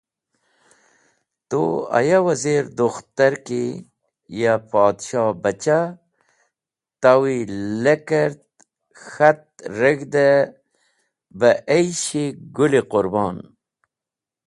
“Tu aya Wazirdukhtar ki ya Podhshohbachah tawi lekert k̃hati reg̃hde bah aysh-e Gũl-e Qurbon.”